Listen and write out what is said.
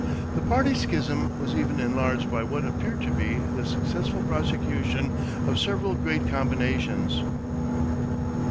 = The party schism was even enlarged by what appeared to be the successful prosecution of several great combinations.